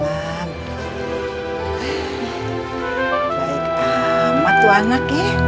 baik amat lu anak ya